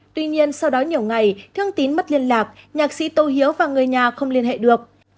tuy nhiên sau đó nhiều ngày thương tín mất liên lạc nhạc sĩ tô hiếu và người nhà không liên hệ được